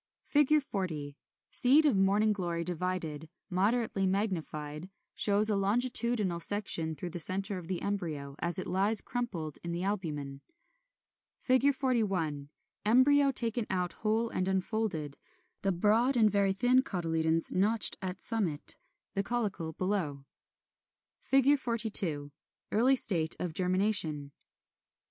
[Illustration: Fig. 40. Seed of Morning Glory divided, moderately magnified; shows a longitudinal section through the centre of the embryo as it lies crumpled in the albumen. 41. Embryo taken out whole and unfolded; the broad and very thin cotyledons notched at summit; the caulicle below. 42. Early state of germination. 43.